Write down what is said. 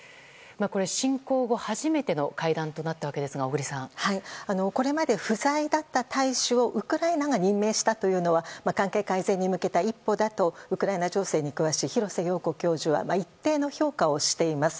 侵攻後初めての会談となったわけですがこれまで不在だった大使をウクライナが任命したというのは関係改善に向けた一歩だとウクライナ情勢に詳しい廣瀬陽子教授は一定の評価をしています。